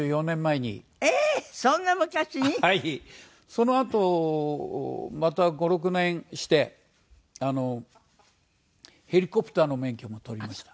そのあとまた５６年してヘリコプターの免許も取りました。